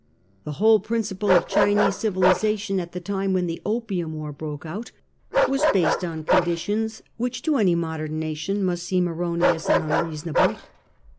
The whole principle of Chinese civilisation, at the time when the Opium War broke out, was based on conditions which to any modern nation must seem erroneous and unreasonable.